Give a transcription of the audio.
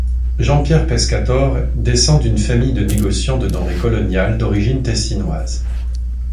Jean-Pierre Pescatore descend d'une famille de négociants de denrées coloniales d'origine tessinoise.